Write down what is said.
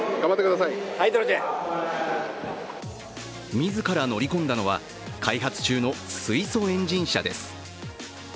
自ら乗り込んだのは開発中の水素エンジン車です。